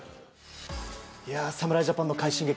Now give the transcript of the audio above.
侍ジャパンの快進撃。